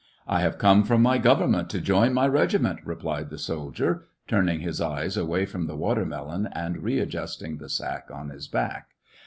"I have come from my government to join my regiment," replied the soldier, turning his eyes away from the watermelon, and readjusting the sack on his back.